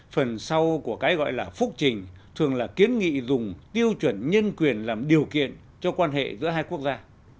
phần sau của cái gọi là phúc trình thường là kiến nghị dùng tiêu chuẩn nhân quyền làm điều kiện cho quan hệ giữa hai quốc gia